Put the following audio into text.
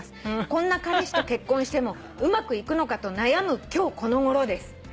「こんな彼氏と結婚してもうまくいくのかと悩む今日この頃です」